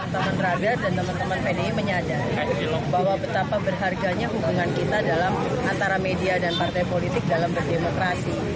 teman radar dan teman teman pdi menyadari bahwa betapa berharganya hubungan kita dalam antara media dan partai politik dalam berdemokrasi